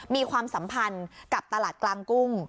มีความสัมพันธ์กับตลาดกลางกุ้ง